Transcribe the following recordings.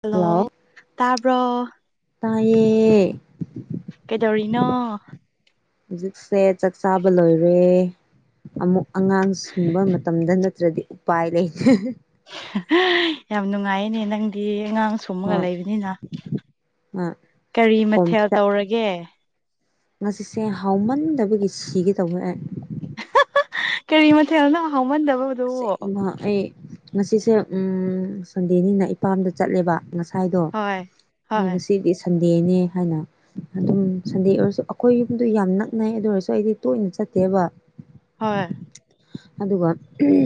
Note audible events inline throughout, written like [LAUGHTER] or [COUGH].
Hello ꯇꯕꯔꯣ꯫ ꯇꯌꯦ ꯀꯩꯗꯧꯔꯤꯅꯣ ꯍꯧꯖꯤꯛꯁꯦ ꯆꯥꯛ ꯆꯥꯕ ꯂꯣꯏꯔꯦ ꯑꯃꯨꯛ ꯑꯉꯥꯡ ꯁꯨꯝꯕ ꯃꯇꯝꯗ ꯅꯠꯇ꯭ꯔꯗꯤ ꯎꯄꯥꯏ ꯂꯩꯇ꯭ꯔꯦ ꯌꯥꯝ ꯅꯨꯡꯉꯥꯏꯌꯦꯅꯦ ꯅꯪꯗꯤ ꯑꯉꯥꯡ ꯁꯨꯝꯃꯒ ꯍꯣꯏ ꯂꯩꯕꯅꯤꯅ ꯍꯣꯏ ꯀꯔꯤ ꯈꯣꯝ ꯃꯊꯦꯜ ꯐꯤꯗꯛ ꯇꯧꯔꯒꯦ ꯉꯁꯤꯁꯦ ꯍꯥꯎꯃꯟꯗꯕꯒꯤ ꯁꯤꯒꯦ ꯇꯧꯋꯦꯍꯦ ꯀꯔꯤ ꯃꯊꯦꯜꯅ ꯍꯥꯎꯃꯟꯗꯕꯗꯨ ꯑꯁꯦꯡꯕ ꯑꯩ ꯉꯁꯤꯁꯦ ꯎ ꯁꯟꯗꯦꯅꯤꯅ ꯏꯄꯥꯝꯗ ꯆꯠꯂꯦꯕ ꯉꯥꯁꯏ ꯉꯥꯏꯗꯣ ꯍꯣꯏ ꯑꯩ ꯍꯣꯏ ꯉꯁꯤꯗꯤ ꯁꯟꯗꯦꯅꯦ ꯍꯥꯏꯅ ꯑꯗꯨꯝ ꯁꯟꯗꯦ ꯑꯣꯏꯔꯁꯨ ꯑꯩꯈꯣꯏ ꯌꯨꯝꯗ ꯌꯥꯝ ꯅꯛꯅꯩ ꯑꯗꯨ ꯑꯣꯏꯔꯁꯨ ꯑꯩꯗꯤ ꯇꯣꯏꯅ ꯆꯠꯇꯦꯕ ꯍꯣꯏ ꯑꯗꯨꯒ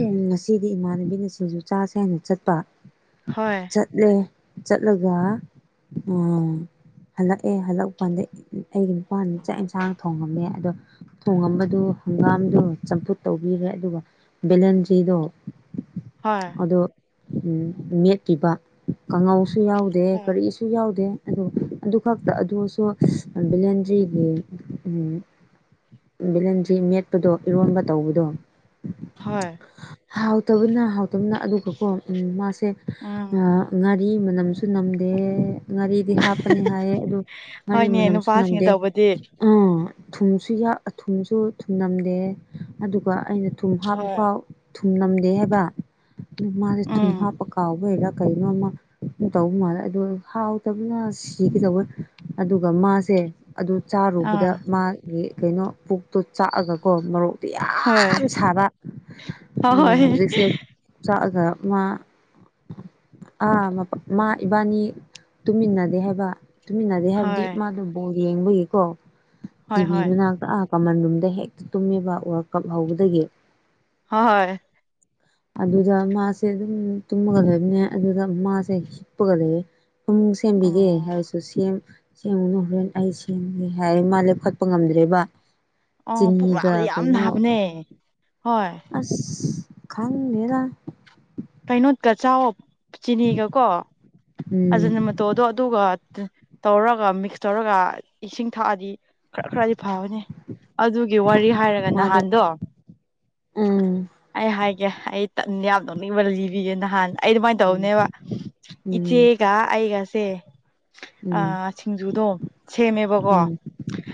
ꯎꯝ ꯉꯁꯤꯗꯤ ꯏꯃꯥꯟꯅꯕꯤꯅ ꯁꯤꯡꯁꯨ ꯆꯁꯦꯅ ꯍꯥꯏꯏꯅ ꯆꯠꯄ ꯍꯣꯏ ꯆꯠꯂꯦ ꯆꯠꯂꯒ ꯑꯥ ꯍꯜꯂꯛꯑꯦ ꯍꯜꯂꯛꯄ ꯀꯥꯟꯗ ꯑꯩꯒꯤ ꯅꯨꯄꯥꯅ ꯆꯥꯛ ꯌꯦꯟꯁꯥꯡ ꯊꯣꯡꯉꯝꯃꯦ ꯑꯗꯣ ꯊꯣꯡꯉꯝꯕꯗꯨ ꯍꯪꯒꯥꯝꯗꯨ ꯆꯝꯐꯨꯠ ꯇꯧꯕꯤꯔꯦ ꯑꯗꯨꯒ ꯕꯦꯂꯦꯟꯖꯤꯗꯔꯤꯗꯣ ꯍꯣꯏ ꯑꯗꯣ ꯎꯝ ꯃꯦꯠꯈꯤꯕ ꯀꯥꯡꯉꯧꯁꯨ ꯌꯥꯎꯗꯦ ꯍꯣꯏ ꯀꯔꯤꯁꯨ ꯌꯥꯎꯗꯦ ꯑꯗꯨ ꯑꯗꯨ ꯈꯛꯇ ꯑꯗꯨꯁꯨ ꯚꯂꯦꯟꯗ꯭ꯔꯤꯒꯤ ꯎꯝ ꯕꯤꯂꯟꯗ꯭ꯔꯤꯃꯦꯠꯄꯗꯣ ꯏꯔꯣꯟꯕ ꯇꯧꯕꯗꯣ ꯍꯣꯏ ꯍꯥꯎꯇꯕꯅ ꯍꯥꯎꯇꯕꯅ ꯑꯗꯨꯒꯀꯣ ꯎꯝ ꯃꯥꯁꯦ ꯎꯝ ꯉꯥ ꯃꯤ ꯃꯅꯝꯁꯨ ꯅꯝꯗꯦ ꯉꯥꯔꯤꯗꯤ ꯍꯥꯞꯄꯅꯤ ꯍꯥꯏꯌꯦ ꯑꯗꯨ ꯉꯥꯔꯤ ꯍꯣꯏꯅꯦ ꯃꯅꯝꯁꯨ ꯅꯨꯄꯥꯁꯤꯡꯅ ꯅꯝꯗꯦ ꯇꯧꯕꯗꯤ ꯑ ꯊꯨꯝꯁꯨ ꯌꯥꯛ ꯊꯨꯝꯁꯨ ꯊꯨꯝꯂꯝꯝꯗꯦ ꯑꯗꯨꯒ ꯑꯩꯅ ꯊꯨꯝ ꯍꯥꯞꯄ ꯍꯣꯏ ꯊꯨꯝꯂꯝꯝꯗꯦ ꯍꯥꯏꯕ ꯑꯗꯨ ꯃꯥꯁꯦ ꯊꯨꯝ ꯎꯝ ꯍꯥꯞꯄ ꯀꯥꯎꯕꯩꯔꯥ ꯀꯩꯅꯣꯃ ꯇꯧꯕ ꯃꯥꯜꯂꯦ ꯑꯗꯨ ꯍꯥꯎꯇꯕꯅ ꯁꯤꯒꯗꯧꯕ ꯑꯗꯨꯒ ꯃꯥꯁꯦ ꯑꯗꯨ ꯆꯥꯔꯨꯕꯗ ꯑꯥ ꯃꯥꯒꯤ ꯀꯩꯅꯣ ꯄꯨꯛ ꯇꯣꯠ ꯆꯥꯛꯑꯒꯀꯣ ꯃꯣꯔꯣꯛꯇꯣ ꯍꯣꯏ ꯌꯥꯝ ꯁꯥꯕ ꯑ ꯍꯣꯏ ꯍꯧꯖꯤꯛꯁꯦ ꯆꯥꯛꯑꯒ ꯃꯥ ꯑꯥ ꯃꯥ ꯏꯕꯥꯅꯤ ꯇꯨꯝꯃꯤꯟꯅꯗꯦ ꯍꯥꯏꯕ ꯇꯨꯃꯤꯟꯅꯗꯦ ꯍꯥꯏꯕꯗꯤ ꯍꯣꯏ ꯃꯥꯗꯨ ꯕꯣꯜ ꯌꯦꯡꯕꯒꯤꯀꯣ ꯍꯣꯏ ꯍꯣꯏ ꯇꯤꯚꯤ ꯃꯅꯥꯛꯇ ꯀꯃꯟ ꯔꯨꯝꯗ ꯍꯦꯛꯇ ꯇꯨꯝꯃꯦꯕ ꯋꯥꯔꯜ ꯀꯞ ꯍꯧꯕꯗꯒꯤ ꯍꯣꯏ ꯍꯣꯏ ꯑꯗꯨꯗ ꯃꯥꯁꯦ ꯑꯗꯨꯝ ꯇꯨꯝꯃꯒ ꯂꯩꯏꯕꯅꯦ ꯑꯗꯨꯗ ꯃꯥꯁꯦ ꯍꯤꯞꯄꯒ ꯂꯩ ꯄꯨꯡ ꯁꯦꯝꯕꯤꯒꯦ ꯑꯣ ꯍꯥꯏꯔꯁꯨ ꯁꯦꯝ ꯁꯦꯝꯒꯅꯨ ꯍꯣꯔꯦꯟ ꯑꯩ ꯁꯦꯝꯒꯦ ꯍꯥꯏꯔ ꯃꯥ ꯂꯦꯞꯈꯠꯄ ꯉꯝꯗ꯭ꯔꯦꯕ ꯑꯣ ꯄꯨꯛ ꯆꯤꯅꯤꯒ ꯅꯥꯕꯗꯤ ꯌꯥꯝ ꯀꯩꯅꯣ ꯅꯥꯕꯅꯦ ꯍꯣꯏ ꯑꯁ ꯈꯪꯗ‌ꯦꯗ ꯀꯩꯅꯣꯠꯀ ꯆꯑꯣ ꯆꯤꯅꯤꯒ ꯀꯣ ꯑꯖꯟ ꯎꯝ ꯃꯇꯣꯗꯣ ꯑꯗꯨꯒ ꯇꯧꯔꯒ ꯃꯤꯛꯁ ꯇꯧꯔꯒ ꯏꯁꯤꯡ ꯊꯛꯑꯗꯤ ꯈꯔ ꯈꯔꯗꯤ ꯐꯕꯅꯤ ꯑꯗꯨꯒꯤ ꯋꯥꯔꯤ ꯍꯥꯏꯔꯒ ꯃꯥꯗꯣ ꯅꯍꯥꯟꯗꯣ ꯎꯝ ꯑꯩ ꯍꯥꯏꯒ‌ꯦ ꯑꯩ ꯌꯥꯝ ꯅ‌ꯣꯛꯅꯤꯡꯕ ꯂꯤꯕꯤꯒꯤ ꯅꯍꯥꯟ ꯑꯩ ꯑꯗꯨꯃꯥꯏꯅ ꯇꯧꯕꯅꯦꯕ ꯎꯝ ꯆꯦꯒ ꯑꯩꯒꯁꯦ ꯎꯝ ꯑ ꯎꯝ ꯁꯤꯡꯖꯨꯗꯣ ꯁꯦꯝꯃꯦꯕꯀꯣ ꯎꯝ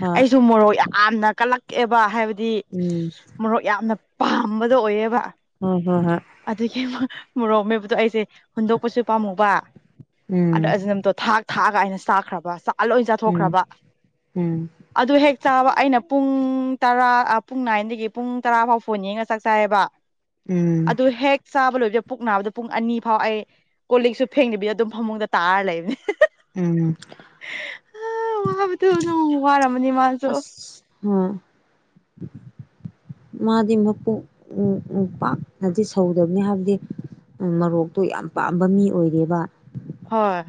ꯍꯣꯏ ꯃꯣꯔꯣꯛ ꯌꯥꯝꯅ ꯀꯜꯂꯛ ꯀꯛꯑꯦꯕ ꯍꯥꯏꯕꯗꯤ ꯎꯝ ꯃꯣꯔꯣꯛ ꯌꯥꯝꯅ ꯄꯥꯝꯕꯗ ꯑꯣꯏꯌ‌ꯦꯕ ꯍꯣꯏ ꯍꯣꯏ ꯍꯣꯏ ꯑꯗꯨꯒꯤ ꯃꯣꯔꯣ ꯃ‌ꯣꯔ‌ꯣꯛꯃ‌ꯦꯠꯄꯗꯣ ꯑꯩꯁꯦ ꯍꯨꯟꯗꯣꯛꯄꯁꯨ ꯄꯥꯝꯃꯨꯕ ꯎꯝ ꯑꯗ ꯑꯖꯤꯅꯝꯇꯣ ꯊꯥꯛ ꯊꯥꯛꯑꯒ ꯑꯩꯅ ꯆꯥꯛꯈ꯭ꯔꯕ ꯂ‌ꯣꯏ ꯎꯝ ꯆꯥꯊꯣꯛꯈ꯭ꯔꯕ ꯎꯝ ꯑꯗꯨ ꯍꯦꯛ ꯆꯥꯕ ꯑꯩꯅ ꯄꯨꯡ ꯇꯔꯥ ꯄꯨꯡ ꯅꯥꯏꯟꯗꯒꯤ ꯄꯨꯡ ꯇꯔꯥ ꯐꯥꯎ ꯐꯣꯟ ꯌ‌ꯦꯡꯉꯒ ꯆꯥꯛ ꯆꯥꯏꯌꯦꯕ ꯎꯝ ꯑꯗꯨ ꯍꯦꯛ ꯆꯕ ꯂ‌ꯣꯏ ꯑꯗꯨ ꯄꯨꯡ ꯑꯅꯤ ꯐꯥꯎ ꯑꯩ ꯀꯣꯜꯛꯁꯨ ꯐꯦꯡꯗꯕꯤꯗ ꯑꯗꯨꯝ ꯐꯃꯨꯡꯗ ꯇꯥꯔ ꯂꯩꯕꯅꯦ ꯎꯝ ꯑꯗꯨꯅ ꯋꯥꯔꯝꯃꯅꯤ ꯃꯥꯁꯨ ꯍ‌ꯣꯏ ꯃꯥꯗꯤ ꯃꯄꯨ ꯄꯥꯛꯅꯗꯤ ꯁꯧꯗꯕꯅꯤ ꯍꯥꯏꯕꯗꯤ ꯃꯔꯣꯛꯇꯣ ꯌꯥꯝ ꯄꯥꯝꯕ ꯃꯤ ꯑꯣꯏꯔꯦꯕ ꯍꯣꯏ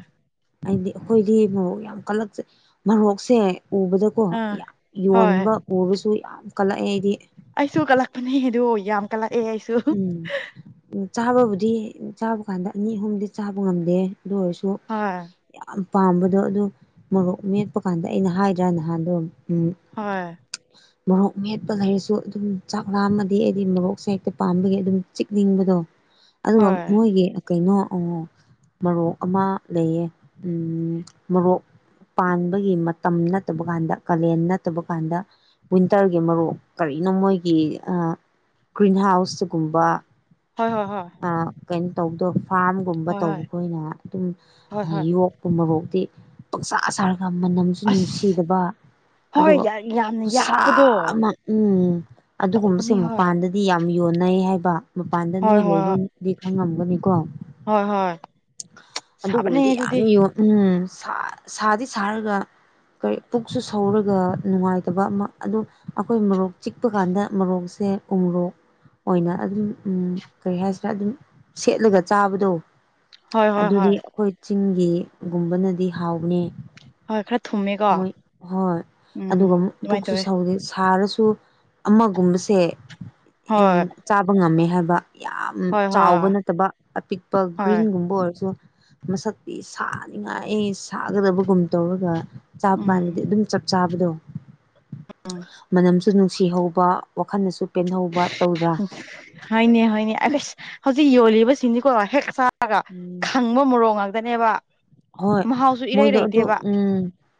ꯑꯩꯗꯤ ꯑꯩꯈꯣꯏꯗꯤ ꯃꯣꯔꯣꯛ ꯌꯥꯝ ꯀꯜꯂꯛꯆꯩ ꯃꯣꯔꯣꯛꯁꯦ ꯎꯕꯗꯀꯣ ꯑꯥ ꯍꯣꯏ ꯌꯣꯟꯕ ꯎꯔꯁꯨ ꯌꯥꯝ ꯀꯠꯂꯛꯑꯦ ꯍꯥꯏꯗꯤ ꯑꯩꯁꯨ ꯀꯜꯂꯛꯄꯅꯦ ꯑꯗꯨ ꯌꯥꯝ ꯀꯂꯛꯑꯦ ꯑꯩꯁꯨ ꯎꯝ ꯆꯥꯕꯕꯨꯗꯤ ꯆꯥꯕ ꯀꯥꯟꯗ ꯑꯅꯤ ꯑꯍꯨꯝꯗꯤ ꯆꯥꯕ ꯉꯝꯗꯦ ꯑꯗꯨ ꯑꯣꯏꯔꯁꯨ ꯍꯣꯏ ꯌꯥꯝ ꯄꯥꯝꯕꯗꯣ ꯑꯗꯨ ꯃꯣꯔꯣꯛ ꯃꯦꯠꯄ ꯀꯥꯟꯗ ꯑꯩꯅ ꯍꯥꯏꯗ꯭ꯔꯥ ꯅꯍꯥꯟꯗꯣ ꯍꯣꯏ ꯃꯣꯔꯣꯛ ꯃꯦꯠꯄ ꯂꯩꯔꯁꯨ ꯑꯗꯨꯝ ꯆꯥꯛꯂꯥꯝꯃꯗꯤ ꯑꯩꯗꯤ ꯃꯣꯔꯣꯛꯁꯦ ꯍꯦꯛꯇ ꯄꯥꯝꯕꯒꯤ ꯑꯗꯨꯝ ꯆꯤꯛꯅꯤꯡꯕꯗꯣ ꯑꯗꯨꯒ ꯍꯣꯏ ꯃꯣꯏꯒꯤ ꯀꯩꯅꯣ ꯃꯣꯔꯣꯛ ꯑꯃ ꯂꯩꯌꯦ ꯎꯝ ꯃꯣꯔꯣꯛ ꯄꯥꯟꯕꯒꯤ ꯃꯇꯝ ꯅꯠꯇꯕ ꯀꯥꯟꯗ ꯀꯥꯂꯦꯟ ꯅꯠꯇꯕ ꯀꯥꯟꯗ ꯋꯤꯟꯇꯔꯒꯤ ꯃꯔꯣꯛ ꯀꯔꯤ ꯃꯣꯏꯒꯤ ꯒ꯭ꯔꯤꯟ ꯍꯥꯎꯁꯇꯒꯨꯝꯕ ꯍꯣꯏ ꯍꯣꯏ ꯍꯣꯏ ꯀꯩꯅꯣ ꯇꯧꯗꯕ ꯐꯥꯔꯝꯒꯨꯝꯕ ꯍꯣꯏ ꯍꯣꯏ ꯇꯧꯕ ꯑꯩꯈꯣꯏꯅ ꯑꯗꯨꯝ ꯍꯣꯏ ꯍꯣꯏ ꯌꯣꯛꯄ ꯃꯔꯣꯛ ꯍꯥꯏꯗꯤ ꯄꯛꯆꯥ ꯁꯥꯔꯒ ꯃꯅꯝꯁꯨ ꯑꯁ ꯅꯨꯡꯁꯤꯗꯕ ꯍꯣꯏ ꯑꯗꯨꯒ ꯌꯥꯝꯅ ꯈꯨꯠꯁꯥ ꯌꯥꯛꯄꯗꯣ ꯑꯃ ꯎꯝ ꯑꯗꯨꯒꯨꯝꯕꯁꯦ ꯇꯧꯕꯅꯦ ꯍꯣꯏ ꯃꯄꯥꯟꯗꯗꯤ ꯌꯥꯝ ꯌꯣꯟꯅꯩ ꯍꯥꯏꯕ ꯃꯄꯥꯟꯗ ꯍꯣꯏ ꯍꯣꯏ ꯅꯣꯏ ꯍꯣꯏ ꯂꯩꯐꯝꯗꯤ ꯈꯪꯉꯝꯒꯅꯤꯀꯣ ꯍꯣꯏ ꯍꯣꯏ ꯁꯥꯕꯅꯦ ꯑꯗꯨꯒꯨꯝꯕꯗꯤ ꯌꯥꯝ ꯑꯗꯨꯗꯤ ꯌꯣꯟ ꯎꯝ ꯁꯥꯗꯤ ꯁꯥꯔꯒ ꯀꯔꯤ ꯄꯨꯛꯁꯨ ꯁꯧꯔꯒ ꯅꯨꯡꯉꯥꯏꯇꯕ ꯑꯃ ꯑꯗꯨ ꯑꯩꯈꯣꯏ ꯃꯣꯔꯣꯛ ꯆꯤꯛꯄ ꯀꯥꯟꯗ ꯃꯣꯔꯣꯛꯁꯦ ꯁꯦ ꯎꯨꯃꯣꯔꯣꯛ ꯑꯣꯏꯅ ꯑꯗꯨꯝ ꯀꯔꯤ ꯍꯥꯏꯁꯤꯔꯥ ꯑꯗꯨꯝ ꯁꯦꯠꯂꯒ ꯆꯥꯕꯗꯣ ꯍꯣꯏ ꯍꯣꯏ ꯍꯣꯏ ꯑꯗꯨꯗꯤ ꯑꯩꯈꯣꯏ ꯆꯤꯡꯒꯤꯒꯨꯝꯕꯅꯗꯤ ꯍꯥꯎꯕꯅꯤ ꯍꯣꯏ ꯈꯔ ꯊꯨꯝꯃꯦꯀꯣ ꯃꯣꯏ ꯍꯣꯏ ꯎꯝ ꯑꯗꯨꯒ ꯑꯗꯨꯃꯥꯏꯅ ꯄꯨꯛꯁꯨ ꯇꯧꯋꯦ ꯁꯧꯗꯦ ꯁꯥꯔꯁꯨ ꯁꯨ ꯑꯃꯒꯨꯝꯕꯁꯦ ꯍꯣꯏ ꯆꯥꯕ ꯉꯝꯃꯦ ꯍꯥꯏꯕ ꯌꯥꯝ ꯍꯣꯏ ꯆꯥꯎꯕ ꯍꯣꯏ ꯅꯠꯇꯕ ꯑꯄꯤꯛꯄ ꯍꯣꯏ ꯒ꯭ꯔꯤꯟꯒꯨꯝꯕ ꯑꯣꯏꯔꯁꯨ ꯃꯁꯛꯇꯤ ꯁꯥꯅꯤꯡꯉꯥꯏ ꯁꯥꯒꯗꯕꯒꯨꯝ ꯇꯧꯔꯒ ꯎꯝ ꯆꯥꯄꯥꯟꯗꯗꯤ ꯑꯗꯨꯝ ꯆ ꯆꯥꯕꯗꯣ ꯎꯝ ꯃꯅꯝꯁꯨ ꯅꯨꯡꯁꯤꯍꯧꯕ ꯋꯥꯈꯜꯅꯁꯨ ꯄꯦꯟꯍꯧꯕ ꯎ ꯇꯧꯗ꯭ꯔꯥ ꯍꯣꯏꯅꯦ ꯍꯣꯏꯅꯦ ꯑꯩ ꯍꯧꯖꯤꯛ ꯌꯣꯜꯂꯤꯕꯁꯤꯡꯅꯤꯀꯣ ꯍꯦꯛ ꯆꯥ ꯕꯒ ꯎꯝ ꯈꯪꯕ ꯃꯣꯔꯣꯛ ꯉꯥꯛꯇꯅꯦꯕ ꯍꯣꯏ ꯃꯍꯥꯎꯁꯨ ꯏꯔꯩ ꯃꯣꯏꯗꯣ ꯑꯗꯨ ꯂꯩꯇꯦꯕ ꯎꯝ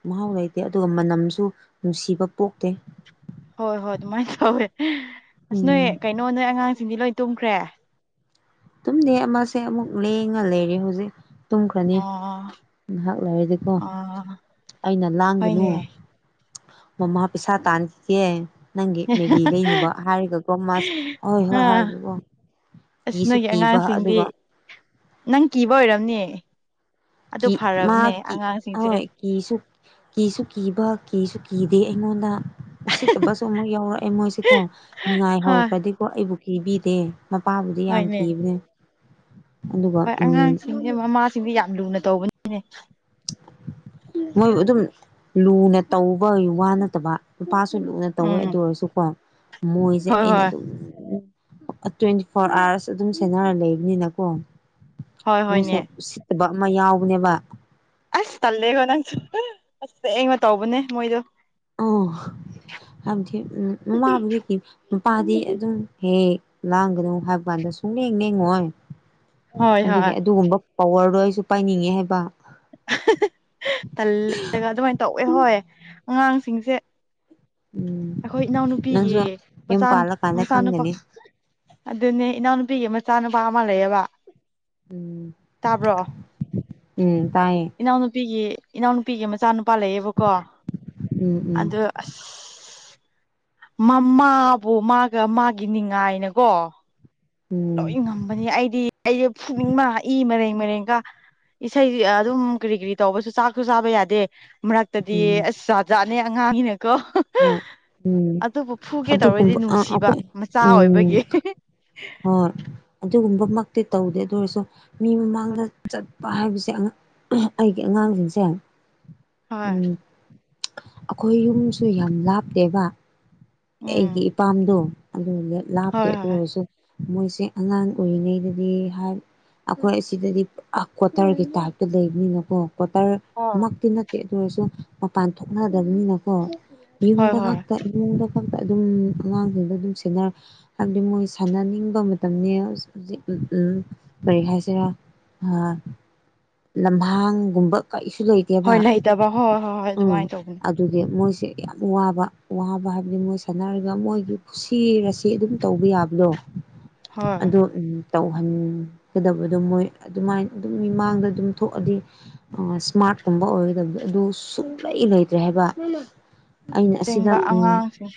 ꯃꯍꯥꯎ ꯂꯩꯇꯦ ꯑꯗꯨꯒ ꯃꯅꯝꯁꯨ ꯅꯨꯡꯁꯤꯕ ꯄꯣꯛꯇꯦ ꯍꯣꯏ ꯍꯣꯏ ꯑꯗꯨꯃꯥꯏꯅ ꯇꯧꯋꯦ ꯑꯁ ꯅꯣꯏ ꯎꯝ ꯀꯩꯅꯣ ꯅꯣꯏ ꯑꯉꯥꯡꯁꯤꯡꯗꯤ ꯂꯣꯏ ꯇꯨꯝꯈ꯭ꯔꯦ ꯇꯨꯝꯗꯦ ꯑꯃꯁꯦ ꯑꯃꯨꯛ ꯂꯦꯡꯉ ꯂꯩꯔꯦ ꯍꯧꯖꯤꯛ ꯇꯨꯝꯈ꯭ꯔꯅꯤ ꯑꯣ ꯉꯍꯥꯛ ꯂꯩꯔꯗꯤꯀꯣ ꯑꯣ ꯑꯩꯅ ꯂꯥꯡꯒꯅꯨ ꯍꯣꯏꯅꯦ ꯃꯃꯥ ꯄꯩꯁꯥꯥ ꯇꯥꯥꯟꯈꯤꯒꯦ ꯅꯪꯒꯤ ꯃꯦꯒꯤ ꯂꯩꯅꯕ ꯍꯥꯏꯔꯒꯀꯣ ꯃꯥꯁꯦ ꯑꯍꯣꯏ ꯍꯣꯏ ꯑꯥ ꯍꯥꯏꯔꯒꯀꯣ ꯑꯁ ꯀꯤꯁꯨ ꯅꯣꯏꯒꯤ ꯀꯤꯕ ꯑꯉꯥꯡꯁꯤꯡꯗꯤ ꯑꯗꯨꯒ ꯅꯪ ꯀꯤꯕ ꯑꯣꯏꯔꯝꯅꯦ ꯀꯤ ꯃꯥ ꯀꯤ ꯍꯣꯏ ꯀꯤꯁꯨ ꯀꯤꯕ ꯀꯤꯁꯨ ꯀꯤ ꯗꯤ ꯑꯩꯉꯣꯟꯗ ꯎꯁꯤꯠꯇꯕꯁꯨ ꯑꯃꯨꯛ ꯌꯥꯎꯔꯛꯑꯦ ꯃꯣꯏꯁꯤꯀꯣ ꯍꯣꯏ ꯉꯥꯏꯍꯧꯔꯛꯄꯗꯤꯀꯣ ꯑꯩꯕꯨ ꯀꯤꯕꯤꯗꯦ ꯃꯄꯥꯕꯨꯗꯤ ꯌꯥꯝ ꯍꯣꯏꯅꯦ ꯀꯤꯕꯅꯦ ꯑꯗꯨꯒ ꯍꯣꯏ ꯎꯝ ꯑꯉꯥꯡꯁꯤꯡꯁꯦ ꯃꯃꯥꯁꯤꯡꯁꯦ ꯌꯥꯝ ꯂꯨꯅ ꯇꯧꯕꯅꯤꯅꯦ ꯃꯣꯏꯕꯨ ꯑꯗꯨꯝ ꯂꯨꯅ ꯇꯧꯕ ꯋꯥ ꯅꯠꯇꯕ ꯂꯨꯄꯥ ꯁꯨ ꯂꯨꯅ ꯇꯧꯋꯦ ꯎꯝ ꯑꯗꯨ ꯑꯣꯏꯔꯁꯨꯀꯣ ꯃꯣꯏꯁꯦ ꯍꯣꯏ ꯑꯩꯅ ꯍꯣꯏ ꯑꯗꯨꯝ ꯇ꯭ꯋꯦꯟꯇꯤ ꯐꯣꯔ ꯑꯥꯋꯥꯔꯁ ꯑꯗꯨꯝ ꯁꯦꯟꯅꯔ ꯂꯩꯕꯅꯤꯅꯀꯣ ꯍꯣꯏ ꯍꯣꯏꯅꯦ ꯃꯣꯏꯁꯦ ꯎꯁꯤꯠꯇꯕ ꯑꯃ ꯌꯥꯎꯕꯅꯦꯕ ꯑꯁ ꯇꯜꯂꯦꯀꯣ ꯅꯪꯁꯨ ꯑꯁ ꯑꯩꯅ ꯇꯧꯕꯅꯦ ꯃꯣꯏꯗꯣ ꯑ ꯍꯥꯏꯕꯗꯤ ꯎꯝ ꯃꯃꯥꯕꯨꯗꯤ ꯃꯄꯥꯗꯤ ꯑꯗꯨꯝ ꯍꯦ ꯂꯥꯡꯒꯅꯨ ꯅꯨ ꯍꯥꯏꯕ ꯀꯥꯟꯗ ꯁꯨꯝꯂꯦꯡ ꯂꯦꯡꯉꯣꯏ ꯍꯣꯏ ꯑꯗꯨꯒꯤ ꯍꯣꯏ ꯑꯗꯨꯒꯨꯝꯕ ꯄꯋꯥꯔꯗꯣ ꯑꯩꯁꯨ ꯄꯥꯏꯅꯤꯡꯉꯦ ꯍꯥꯏꯕ ꯇꯜꯂꯦꯒ ꯑꯗꯨꯃꯥꯏꯅ ꯇꯧꯋꯦ ꯍꯣꯏ ꯑꯉꯥꯡꯁꯤꯡꯁꯦ ꯎꯝ ꯑꯩꯈꯣꯏ ꯏꯅꯥꯎꯅꯨꯄꯤꯒꯤ ꯅꯪꯁꯨ ꯃꯆꯥ ꯌꯨꯝ ꯄꯥꯜꯂꯀꯥꯟꯗ ꯃꯆꯥꯅꯨꯄꯥ ꯈꯪꯒꯅꯤ ꯑꯗꯨꯅꯦ ꯏꯅꯥꯎꯅꯨꯄꯤꯒꯤ ꯃꯆꯥ ꯅꯨꯨꯄꯥ ꯑꯃ ꯂꯩꯌꯦꯕ ꯎꯝ ꯇꯥꯕ꯭ꯔꯣ ꯎꯝ ꯇꯥꯏꯌꯦ ꯏꯅꯥꯎꯅꯨꯄꯤꯒꯤ ꯏꯅꯥꯎꯅꯨꯄꯤꯒꯤ ꯃꯆꯥꯅꯨꯄꯥ ꯂꯩꯌꯦꯕꯀꯣ ꯎꯝ ꯎꯝ ꯑꯗꯨ ꯑꯁ ꯃꯃꯥꯕꯨ ꯃꯥꯒ ꯃꯥꯒꯤ ꯅꯤꯡꯅꯤꯉꯥꯏꯅꯀꯣ ꯎꯝ ꯂꯣꯏ ꯉꯝꯕꯅꯤ ꯑꯩꯗꯤ ꯑꯩꯗꯤ ꯐꯨꯅꯤꯡꯕꯅ ꯏ ꯃꯔꯩ ꯃꯔꯦꯡꯀ ꯏꯁꯩ ꯑꯗꯨꯝ ꯀꯔꯤ ꯀꯔꯤ ꯇꯧꯕꯁꯨ ꯆꯥꯛꯁꯨ ꯆꯥꯕ ꯌꯥꯗꯦ ꯃꯔꯛꯇꯗꯤ ꯎꯝ ꯑꯁ ꯆꯥꯖꯥꯠꯅꯦ ꯑꯉꯥꯡꯒꯤꯅꯦꯀꯣ ꯍꯣꯏ ꯎꯝ ꯑꯗꯨꯕꯨ ꯐꯨꯒꯦ ꯇꯧꯔꯗꯤ ꯑꯗꯨꯒꯨꯝꯕ ꯑ ꯅꯨꯡꯁꯤꯕ ꯃꯆꯥ ꯑꯣꯏꯕꯒꯤ ꯍ ꯑꯗꯨꯒꯨꯝꯕꯃꯛꯇꯤ ꯇꯧꯗꯦ ꯑꯗꯨ ꯑꯣꯏꯔꯁꯨ ꯃꯤ ꯃꯃꯥꯡꯗ ꯆꯠꯄ ꯍꯥꯏꯕꯁꯦ ꯑꯩꯒꯤ ꯑꯉꯥꯡꯁꯤꯡꯁꯦ ꯍꯣꯏ ꯎꯝ ꯑꯩꯈꯣꯏ ꯌꯨꯝꯁꯨ ꯌꯥꯝ ꯂꯥꯞꯇꯦꯕ ꯑꯩꯒꯤ ꯎꯝ ꯏꯄꯥꯝꯗꯣ ꯑꯗꯨ ꯂꯥꯞꯇꯦ ꯍꯣꯏ ꯑꯗꯨ ꯍꯣꯏ ꯑꯣꯏꯔꯁꯨ ꯃꯣꯏꯁꯦ ꯑꯉꯥꯡ ꯑꯣꯏꯔꯤꯉꯩꯗꯗꯤ ꯑꯩꯈꯣꯏ ꯑꯁꯤꯗꯗꯤ ꯀ꯭ꯋꯥꯇꯔꯒꯤ ꯇꯥꯏꯞꯇ ꯂꯩꯕꯅꯤꯅꯀꯣ ꯀ꯭ꯇꯔ ꯍꯣꯏ ꯃꯛꯇꯤ ꯅꯠꯇꯦ ꯑꯗꯨ ꯑꯣꯏꯔꯁꯨ ꯃꯄꯥꯟ ꯊꯣꯛꯅꯗꯕꯅꯤꯅꯀꯣ ꯍꯣꯏ ꯌꯨꯝꯗ ꯍꯣꯏ ꯌꯨꯝꯗ ꯈꯛꯇ ꯑꯗꯨꯝ ꯑꯉꯥꯡꯁꯤꯡꯗ ꯑꯗꯨꯝ ꯁꯦꯟꯅꯔꯦ ꯍꯥꯏꯕꯗꯤ ꯃꯣꯏ ꯁꯥꯟꯅꯅꯤꯡꯕ ꯃꯇꯝꯅꯤ ꯍꯧꯖꯤꯛ ꯎꯝ ꯀꯔꯤ ꯍꯥꯏꯁꯤꯔꯥ ꯂꯝꯍꯥꯡꯒꯨꯝꯕ ꯀꯩꯁꯨ ꯂꯩꯇꯦꯕ ꯍꯣꯏ ꯂꯩꯇꯕ ꯍꯣꯏ ꯍꯣꯏ ꯍꯣꯏ ꯎꯝ ꯑꯗꯨꯃꯥꯏꯅ ꯇꯧꯕꯅꯤ ꯑꯗꯨꯒꯤ ꯃꯣꯏ ꯌꯥꯝ ꯋꯥꯕ ꯋꯥꯕ ꯍꯥꯏꯕ ꯑ ꯃꯣꯏ ꯁꯥꯟꯅꯔꯒ ꯃꯣꯏꯒꯤ ꯄꯨꯁꯤꯔꯁꯤ ꯑꯗꯨꯝ ꯇꯧꯕ ꯌꯥꯕꯗꯣ ꯍꯣꯏ ꯑꯗꯣ ꯎꯝ ꯇꯧꯍꯟꯒꯗꯕꯗꯣ ꯃꯣꯏ ꯑꯗꯨꯃꯥꯏꯅ ꯑꯗꯨꯝ ꯃꯤꯃꯥꯡꯗ ꯑꯗꯨꯝ ꯊꯣꯛꯑꯗꯤ ꯑ ꯏꯁꯃꯥꯔꯠꯀꯨꯝꯕ ꯑꯣꯏꯒꯗꯕꯗ ꯑꯗꯨ ꯁꯨꯡꯂꯩ ꯂꯩꯇ꯭ꯔꯦ ꯍꯥꯏꯕ ꯑꯩꯅ ꯑꯁꯤꯗ ꯑꯁꯦꯡꯕ ꯎꯝ ꯑꯉꯥꯡꯁꯤꯡ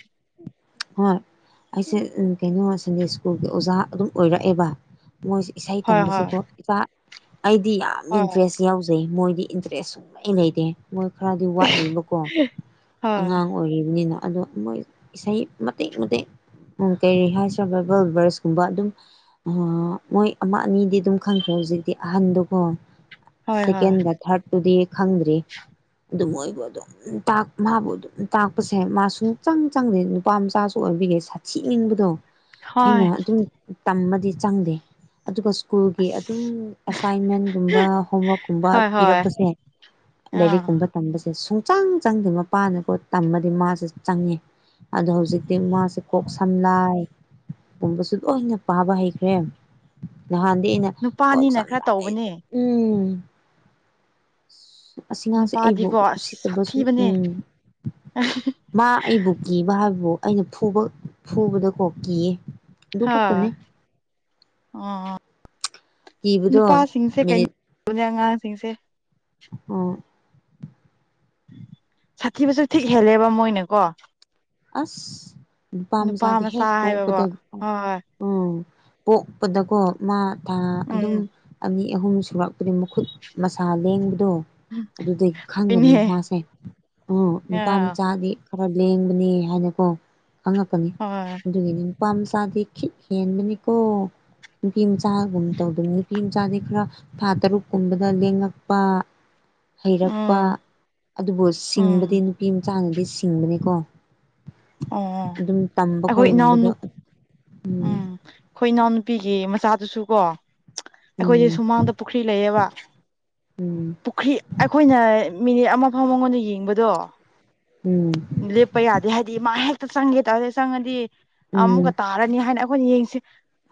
ꯍꯣꯏ ꯑꯩꯁꯦ ꯀꯩꯅꯣ ꯁꯟꯗꯦ ꯁ꯭ꯀꯨꯜꯒꯤ ꯑꯣꯖꯥ ꯑꯗꯨꯝ ꯑꯣꯏꯔꯛꯑꯦꯕ ꯃꯣꯏꯁꯦ ꯏꯁꯩ ꯍꯣꯏ ꯍꯣꯏ ꯇꯝꯕꯁꯦꯀꯣ ꯏꯆꯥ ꯑꯩꯗꯤ ꯌꯥꯝ ꯍꯣꯏ ꯏꯟꯇꯔꯦꯁ ꯌꯥꯎꯖꯩ ꯃꯣꯏꯗꯤ ꯏꯟꯇꯔꯦꯁ ꯁꯨꯡꯂꯩ ꯂꯩꯔꯦ ꯃꯣꯏ ꯈꯔꯗꯤ ꯋꯥꯠꯂꯤꯕꯀꯣ ꯍꯣꯏ ꯑꯉꯥꯡ ꯑꯣꯏꯔꯤꯕꯅꯤꯅ ꯑꯗꯣꯣꯏ ꯏꯁꯩ ꯃꯦ ꯃꯗꯦ ꯎ ꯀꯩꯔꯤ ꯍꯥꯏꯁꯤ꯭ꯔꯕ ꯕꯜꯕꯔꯁꯀꯨꯝꯕ ꯑꯗꯨꯝ ꯃꯣꯏ ꯑꯃ ꯑꯅꯤꯗꯤ ꯑꯗꯨꯝ ꯈꯪꯈ꯭ꯔꯦ ꯍꯧꯖꯤꯛꯇꯤ ꯑꯍꯟꯗꯨꯒꯣ ꯍꯣꯏ ꯍꯣꯏ ꯁꯦꯀꯦꯟꯒ ꯊꯥꯔꯠ ꯑꯗꯨꯨꯗꯤ ꯈꯪꯗ꯭ꯔꯤ ꯑꯗꯨ ꯃꯣꯏꯕꯨ ꯑꯗꯨꯝ ꯃꯥꯕꯨ ꯑꯗꯨꯝ ꯇꯥꯛꯄꯁꯦ ꯃꯥ ꯁꯨꯡ ꯍꯛꯆꯪ ꯆꯪꯗꯦ ꯅꯨꯄꯥ ꯃꯆꯥꯁꯨ ꯑꯣꯏꯕꯤꯔꯦ ꯁꯥꯊꯅꯤꯡꯕꯗꯣ ꯍꯣꯏ ꯑꯩꯅ ꯑꯗꯨꯝ ꯇꯝꯃꯗꯤ ꯆꯪꯗꯦ ꯑꯗꯨꯒ ꯁ꯭ꯀꯨꯜꯒꯤ ꯑꯗꯨꯝ ꯑꯦꯁꯥꯏꯟꯃꯦꯟꯒꯨꯝꯕ ꯍꯣꯝꯋꯔꯛꯀꯨꯝꯕ ꯍꯣꯏ ꯍꯣꯏ ꯄꯤꯔꯛꯄꯁꯦ ꯑꯥ ꯂꯥꯏꯔꯤꯛꯀꯨꯝꯕ ꯇꯝꯕꯁꯦ ꯁꯨꯡꯆꯥꯡ ꯆꯪꯗꯦ ꯃꯄꯥꯅꯀꯣ ꯇꯝꯃꯗꯤ ꯃꯥꯁꯦ ꯆꯪꯉꯦ ꯑꯗꯣ ꯍꯧꯖꯤꯛꯇꯤ ꯃꯥꯁꯦ ꯀꯣꯛ ꯁꯝꯂꯥꯏ ꯨꯝꯕꯁꯨ ꯂꯣꯏꯅ ꯄꯥꯕ ꯍꯩꯈ꯭ꯔꯦ ꯅꯍꯥꯟꯗꯤ ꯑꯩꯅ ꯀꯣꯛ ꯅꯨꯄꯥꯅꯤꯅ ꯆꯝ ꯈꯔ ꯂꯥꯛ ꯑꯩꯗꯣ ꯇꯧꯕꯅꯦ ꯎꯝ ꯑꯁꯤꯉꯥꯡꯁꯦ ꯑꯩꯕꯨ ꯅꯨꯄꯥꯗꯤꯀꯣ ꯑꯁ ꯎꯁꯤꯠꯇꯕꯁꯨ ꯁꯥꯊꯤꯕꯅꯦ ꯎꯝ ꯃꯥ ꯑꯩꯕꯨ ꯀꯤꯕ ꯍꯥꯏꯕꯕꯨ ꯑꯩꯅ ꯐꯨꯕ ꯐꯨꯕꯗꯀꯣ ꯀꯤꯌꯦ ꯑꯗꯨ ꯍꯥꯥ ꯈꯛꯇꯅꯦ ꯑ ꯀꯤꯕꯗꯣ ꯅꯨꯄꯥꯁꯤꯡꯁꯦ ꯀꯩꯅꯣ ꯇꯅꯦ ꯑꯉꯥꯡꯁꯤꯡꯁꯦ ꯎꯝꯃꯤ꯫ ꯁꯥꯊꯤꯕꯁꯨ ꯊꯤꯛ ꯍꯦꯜꯂꯦꯕ ꯃꯣꯏꯅ ꯀꯣ ꯑꯁ ꯅꯨꯄꯥ ꯃꯆꯥꯗꯤ ꯃꯆꯥ ꯍꯦꯛ ꯍꯥꯏꯕꯕꯣ ꯄꯣꯛꯄꯗ ꯍꯣꯏ ꯍꯣꯏ ꯎꯝ ꯄꯣꯛꯄꯗꯀꯣ ꯃꯥ ꯊꯥ ꯑꯗꯨꯝ ꯑꯅꯤ ꯑꯍꯨꯝ ꯁꯨꯔꯛꯄꯗꯤ ꯃꯈꯨꯠ ꯃꯁꯥ ꯂꯦꯡꯕ ꯑꯗꯣ ꯎꯝ ꯑꯗꯨꯗꯒꯤ ꯍꯣꯏꯅꯦ ꯈꯪꯒꯅꯤ ꯃꯥꯁꯦ ꯎ ꯅꯨꯄꯥ ꯑ ꯃꯆꯥꯗꯤ ꯈꯔ ꯂꯦꯡꯕꯅꯤ ꯍꯥꯏꯅꯀꯣ ꯈꯪꯉꯛꯀꯅꯤ ꯍꯣꯏ ꯑꯗꯨꯒꯤꯅꯤ ꯄꯥꯝꯆꯥꯥꯗꯤ ꯍꯦꯟꯕꯅꯤꯀꯣ ꯅꯨꯄꯤ ꯃꯆꯥꯒꯨꯝ ꯇꯧꯗꯅꯤ ꯅꯨꯄꯤ ꯃꯆꯥꯗꯤ ꯈꯔ ꯊꯥ ꯇꯔꯨꯛꯀꯨꯝꯕꯗ ꯂꯦꯡꯉꯛꯄ [INAUDIBLE] ꯍꯩꯔꯛꯄ ꯎꯝ ꯑꯗꯨꯕꯨ ꯁꯤꯡꯕꯗꯤ ꯎꯝ ꯅꯨꯄꯤ ꯃꯆꯥꯅꯗꯤ ꯁꯤꯡꯕꯅꯤꯀꯣ ꯑꯣ ꯑꯗꯨꯝ ꯇꯝꯕ ꯑꯩꯈꯣꯏ ꯈꯣꯏꯒꯨꯝꯕꯗꯣ ꯏꯅꯥꯎꯅꯨ ꯑꯗꯨꯝ ꯎꯝ ꯑꯩꯈꯣꯏ ꯏꯅꯥꯎ ꯅꯨꯄꯤꯒꯤ ꯃꯆꯥꯗꯨꯁꯨ ꯀꯣ ꯑꯩꯈꯣꯏꯁꯦ ꯎꯝ ꯁꯨꯃꯥꯡꯗꯥ ꯄꯨꯈ꯭ꯔꯤ ꯂꯩꯌꯦꯕ ꯎꯝ ꯄꯨꯈ꯭ꯔꯤ ꯑꯩꯈꯣꯏꯅ ꯃꯤꯅꯤꯠ ꯑꯃ ꯐꯥꯎ ꯃꯉꯣꯟꯗ ꯌꯦꯡꯕꯗꯣ ꯎꯝ ꯂꯦꯞꯄ ꯌꯥꯗꯦ ꯍꯥꯏ ꯃꯥ ꯍꯦꯛꯇ ꯆꯪꯒꯦ ꯇꯔꯗ ꯆꯪꯉꯗꯤ ꯎꯝ ꯑꯃꯨꯛꯀ ꯇꯥꯔꯅꯤ ꯍꯥꯏꯅ ꯑꯩꯈꯣꯏꯅ ꯌꯦꯡꯁꯤ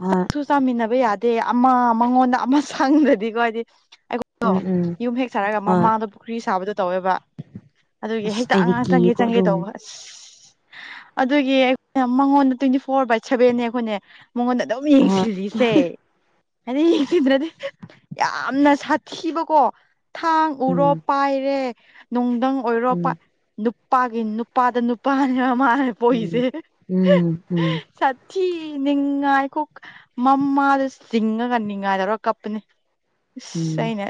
ꯍꯣꯏ ꯆꯥꯛꯁꯨ ꯆꯥꯃꯤꯟꯅꯕ ꯌꯥꯗꯦ ꯑꯃ ꯃꯉꯣꯟꯗ ꯑꯃ ꯁꯪꯗꯗꯤꯀꯣ ꯍꯥꯏꯗꯤ ꯑꯩꯉꯣꯟꯗꯣ ꯎꯝ ꯎꯝ ꯌꯨꯝ ꯍꯦꯛ ꯁꯥꯔꯒ ꯍꯣꯏ ꯃꯃꯥꯡꯗꯣ ꯄꯨꯈ꯭ꯔꯤ ꯁꯥꯕꯗꯣ ꯇꯧꯋꯦꯕ ꯑꯗꯨꯒꯤ ꯑꯁ ꯍꯦꯛꯇ ꯑꯩꯗꯤ ꯑꯉꯥꯡ ꯆꯪꯒꯦ ꯀꯤꯌꯦꯀꯣ ꯆꯪꯒꯦ ꯑꯗꯨꯝ ꯇꯧꯕ ꯑꯁ ꯑꯗꯨꯒꯤ ꯑꯩꯈꯣꯏꯅ ꯃꯉꯣꯟꯗ ꯇ꯭ꯋꯦꯟꯇꯤ ꯐꯣꯔ ꯕꯥꯏ ꯁꯦꯚꯦꯟꯅꯦ ꯑꯩꯈꯣꯏꯅꯦ ꯃꯉꯣꯟꯗꯥ ꯑꯗꯨꯝ ꯍꯣꯏ ꯌꯦꯡꯁꯤꯜꯂꯤꯁꯦ ꯍꯥꯏꯗꯤꯗ꯭ꯔꯗꯤ ꯌꯥꯝꯅ ꯁꯥꯊꯤꯕꯀꯣ ꯊꯥꯡ ꯎꯔꯣ ꯎꯝ ꯄꯥꯏꯔꯦ ꯅꯨꯡꯊꯪ ꯑꯣꯏꯔꯣ ꯎꯝ ꯅꯨꯄꯥꯒꯤ ꯅꯨꯄꯥꯗ ꯅꯨꯄꯥꯅꯦ ꯃꯃꯥꯅꯦ ꯎꯝ ꯄꯣꯛꯏꯁꯦ ꯎꯝ ꯎꯝ ꯁꯥꯊꯤ ꯅꯤꯡꯉꯥꯏꯈꯣ ꯃꯃꯥꯗ ꯆꯤꯡꯉꯒ ꯅꯤꯡꯉꯥꯏꯗꯧꯔ ꯀꯞꯄꯅꯤ ꯑꯥꯁ ꯑꯩꯅꯥ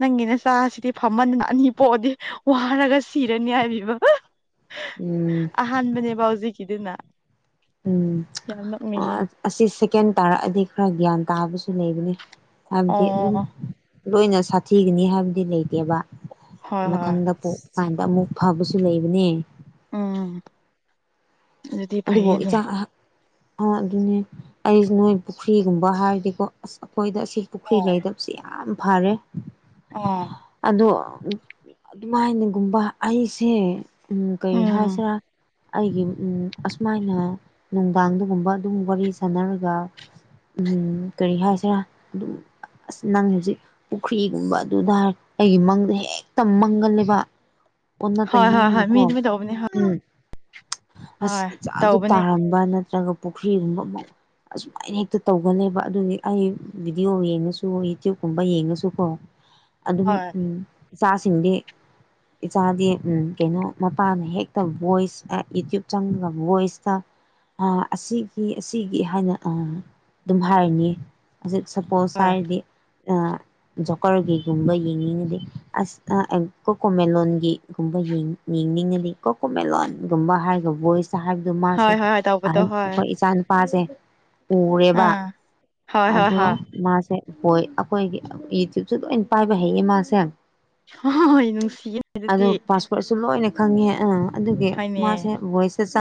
ꯅꯪꯒꯤ ꯅꯆꯥꯁꯤꯗꯤ ꯐꯝꯃꯟꯗꯅ ꯑꯅꯤ ꯄꯣꯛꯑꯗꯤ ꯋꯥꯔꯒ ꯁꯤꯔꯅꯤ ꯍꯥꯏꯕꯤꯕ ꯎꯝ ꯑꯍꯥꯟꯕꯅꯦꯕ ꯍꯧꯖꯤꯛꯀꯤꯗꯨꯅ ꯎꯝ ꯌꯥꯝ ꯅꯣꯛꯅꯤꯡꯉꯦ ꯑꯁꯤ ꯁꯦꯀꯦꯟ ꯇꯥꯔꯛꯑꯗꯤ ꯈꯔ ꯒ꯭ꯌꯥꯟ ꯇꯥꯕꯁꯨ ꯑꯗꯨꯨ ꯂꯩꯕꯅꯤ ꯍꯥꯏꯕꯗꯤ ꯑꯗꯨꯝ ꯑꯣ ꯂꯣꯏꯅ ꯁꯥꯊꯤꯒꯅꯤ ꯍꯥꯏꯕꯗꯤ ꯂꯩꯇꯦꯕ ꯍꯣꯏ ꯍꯣꯏ ꯃꯊꯪꯗ ꯄꯣꯛꯄꯥꯟꯗ ꯑꯃꯨꯛ ꯐꯕꯁꯨ ꯂꯩꯕꯅꯦ ꯎꯝ ꯑꯗꯨꯗꯤ ꯐꯩꯌꯦꯅꯦ ꯑ ꯑꯗꯨꯅꯦ ꯑꯩꯁ ꯅꯣꯏ ꯄꯨꯈ꯭ꯔꯤꯒꯨꯝꯕ ꯍꯥꯏꯔꯗꯤꯀꯣ ꯑꯁ ꯑꯩꯈꯣꯏꯗ ꯑꯁꯤ ꯄꯨꯈ꯭ꯔꯤ ꯂꯩꯗꯕꯕꯁꯤ ꯌꯥꯝ ꯐꯔꯦ ꯑꯥ ꯑꯗꯣ ꯑꯗꯨꯃꯥꯏꯅꯒꯨꯝꯕ ꯑꯩꯁꯦ ꯎꯝ ꯀꯔꯤ ꯎꯝ ꯍꯥꯏꯁꯤꯔꯥ ꯑꯩꯒꯤ ꯑꯁꯨꯃꯥꯏꯅ ꯅꯨꯡꯗꯥꯡꯗꯒꯨꯝꯕ ꯑꯗꯨꯝ ꯋꯥꯔꯤ ꯁꯥꯟꯅꯔꯒ ꯎꯝ ꯀꯔꯤ ꯍꯥꯏꯁꯤꯔꯥ ꯑꯗꯨꯝ ꯑꯁ ꯅꯪ ꯍꯧꯖꯤꯛ ꯄꯨꯈ꯭ꯔꯤꯒꯨꯝꯕ ꯑꯗꯨꯗꯥ ꯍꯥꯢ ꯑꯩꯒꯤ ꯃꯪꯗ ꯍꯦꯛꯇ ꯃꯪꯒꯜꯂꯦꯕ ꯑꯣꯟꯅ ꯍꯣꯏ ꯍꯣꯏ ꯍꯣꯏ ꯃꯤ ꯇꯩꯅꯥꯅꯅꯀꯣ ꯑꯗꯨꯃꯥꯏ ꯇꯧꯕꯅꯦ ꯍꯣꯏ ꯎꯝ ꯑꯁ ꯍꯣꯏ ꯏꯆꯥꯗꯨ ꯇꯧꯕꯅꯦ ꯇꯥꯔꯝꯕ ꯅꯠꯇ꯭ꯔꯒ ꯄꯨꯈ꯭ꯔꯤꯒꯨꯝꯕ ꯑꯃ ꯑꯁꯨꯃꯥꯏꯅ ꯍꯦꯛꯇ ꯇꯧꯒꯜꯂꯦꯕ ꯑꯗꯨꯗꯤ ꯑꯩ ꯚꯤꯗꯤꯑꯣ ꯌꯦꯡꯉꯁꯨ ꯌꯨꯇ꯭ꯌꯨꯕꯀꯨꯝꯕ ꯌꯦꯡꯉꯁꯨꯀꯣ ꯑꯗꯨꯝ ꯍꯣꯏ ꯎꯝ ꯏꯆꯥꯁꯤꯡꯗꯤ ꯏꯆꯥꯗꯤ ꯀꯩꯅꯣ ꯃꯄꯥꯅ ꯍꯦꯛꯇ ꯚꯣꯏꯁ ꯑꯦ ꯌꯨꯇ꯭ꯌꯨꯕ ꯆꯪꯕ ꯚꯣꯢꯁꯇ ꯑ ꯑꯁꯤꯒꯤ ꯑꯁꯤꯒꯤ ꯍꯥꯏꯅ ꯑ ꯑꯗꯨꯝ ꯍꯥꯏꯔꯅꯤ ꯍꯧꯖꯤꯛ ꯁꯄꯣꯁ ꯍꯣꯏ ꯍꯥꯏꯔꯗꯤ ꯖꯣꯀꯔꯒꯤꯒꯨꯝꯕ ꯌꯦꯡꯅꯤꯡꯉꯗꯤ ꯑꯁ ꯀꯣꯀꯣꯃꯦꯂꯣꯟꯒꯤꯒꯨꯝꯕ ꯌꯦꯡꯅꯤꯡꯉꯗꯤ ꯀꯣꯀꯣꯃꯦꯂꯂꯣꯟꯒꯨꯝꯕ ꯍꯥꯏꯔꯒ ꯚꯣꯏꯁ ꯍꯥꯏꯕꯗꯣ ꯃꯥꯁꯦ ꯍꯣꯏ ꯍꯣꯏ ꯍꯣꯏ ꯇꯧꯕꯗꯣ ꯑꯍꯟ ꯍꯣꯏ ꯑꯩꯈꯣꯏ ꯏꯆꯥ ꯅꯨꯄꯥꯁꯦ ꯎꯔꯦꯕ ꯑꯥ ꯍꯣꯏ ꯍꯣꯏ ꯑꯗꯣ ꯍꯣꯏ ꯃꯥꯁꯦ ꯍꯣꯏ ꯑꯩꯈꯣꯏꯒꯤ ꯌꯨꯇ꯭ꯌꯨꯕꯁꯨ ꯂꯣꯏ ꯄꯥꯏꯕ ꯍꯩꯌꯦ ꯃꯥꯁꯦ ꯍꯣꯏ ꯅꯨꯡꯁꯤꯌꯦ ꯑꯗꯣ ꯑꯗꯨꯗꯤ ꯄꯥꯁꯋꯥꯔꯗꯁꯨ ꯂꯣꯏꯅ ꯈꯪꯉꯦ ꯑꯥ ꯑꯗꯨꯒꯤ ꯍꯣꯏꯅꯦ ꯃꯥꯁꯦ ꯚꯣꯏꯁ